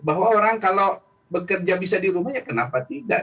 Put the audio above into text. bahwa orang kalau bekerja bisa di rumah ya kenapa tidak